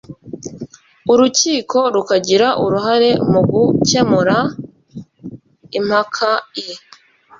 urukiko rukagira uruhare mu gukemura impakai